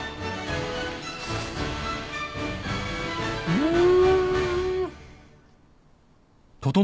うん！